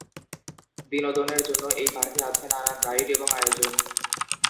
বিনোদনের জন্য এই পার্কে আছে নানান রাইড এবং আয়োজন।